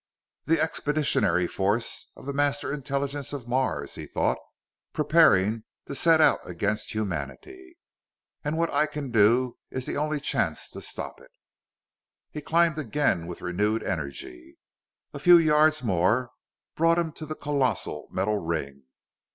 "The expeditionary force of the Master Intelligence of Mars," he thought, "preparing to set out against humanity! And what I can do is the only chance to stop it!" He climbed again with renewed energy. A few yards more brought him to the colossal metal ring.